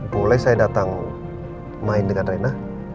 boleh saya datang main dengan rena